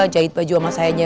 jahit baju sama saya aja